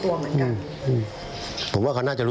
ขอเตือนไว้นะจะค้าหรือจะสมาคมกับคนพวกนี้ขอให้คิดให้ดี